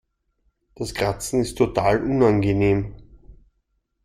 Das Kratzen ist total unangenehm.